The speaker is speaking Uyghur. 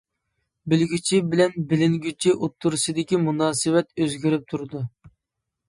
بىلگۈچى بىلەن بىلىنگۈچى ئوتتۇرىسىدىكى مۇناسىۋەت ئۆزگىرىپ تۇرىدۇ.